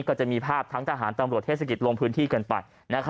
ก็จะมีภาพทั้งทหารตำรวจเทศกิจลงพื้นที่กันไป